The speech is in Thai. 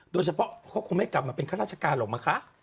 โดยเฉพาะเขาคงไม่กลับมาเป็นข้าราชการหรอกมั้งคะ